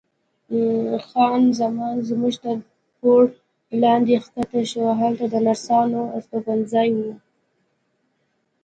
خان زمان زموږ تر پوړ لاندې کښته شوه، هلته د نرسانو استوګنځای و.